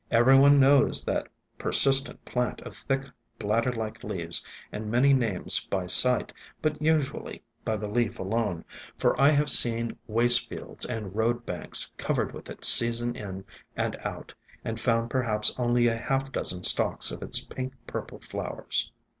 Every one knows that persistent plant of thick, bladder like leaves and many names by sight, but usually by the leaf alone, for I have seen waste fields and road banks covered with it season in and out, and found perhaps only a half dozen stalks of its pink purple flowers.